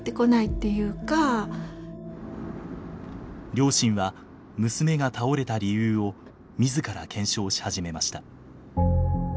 両親は娘が倒れた理由を自ら検証し始めました。